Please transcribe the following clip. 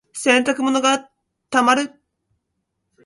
洗濯物が溜まる。